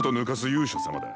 勇者様だ。